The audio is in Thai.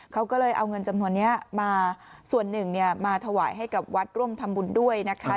เขาก็เลยเอาเงินจำนวนนี้มาส่วนหนึ่งมาถวายให้กับวัดร่วมทำบุญด้วยนะคะ